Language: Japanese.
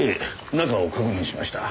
中を確認しました。